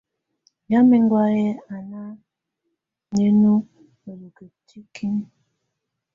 Ymɛ̀á ɛŋgɔ̀áyɛ á ná lɛ̀áŋɔ mǝ́lukǝ́ tikinǝ.